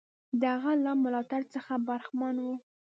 د هغه له ملاتړ څخه برخمن وو.